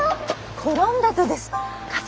転んだとです。